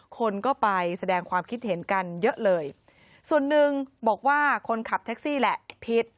คนก็ไปแสดงความคิดเห็นกันเยอะเลยส่วนหนึ่งบอกว่าคนขับแท็กซี่แหละผิด